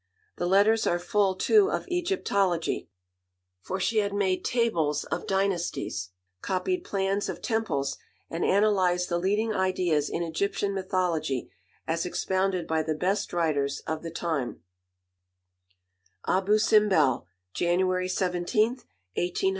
The letters are full too of Egyptology; for she had made tables of dynasties, copied plans of temples, and analysed the leading ideas in Egyptian mythology as expounded by the best writers of the time: ABU SIMBEL, January 17 ....